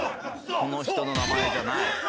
「この人の名前じゃない」